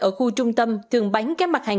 ở khu trung tâm thường bán các mặt hàng